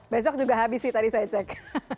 besok juga habis sih tadi saya cek